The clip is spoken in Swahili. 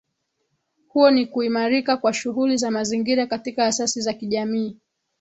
Huo ni kuimarika kwa shughuli za mazingira katika asasi za kijamii